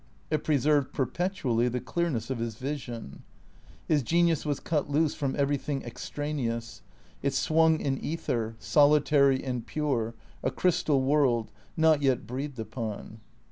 It preserved, perpetually, the clearness of his vision. His genius was cut loose from everything extraneous. It swung in ether, solitary and pure, a crystal world, not yet breathed upon.